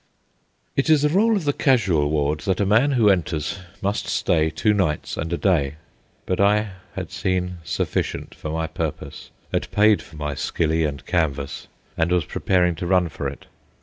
It is the rule of the casual ward that a man who enters must stay two nights and a day; but I had seen sufficient for my purpose, had paid for my skilly and canvas, and was preparing to run for it.